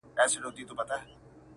د سکريټو آخيري قطۍ ده پاته!!